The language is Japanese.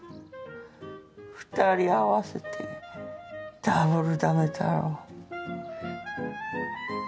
２人合わせてダブルダメ太郎。